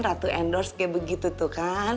ratu endorse kayak begitu tuh kan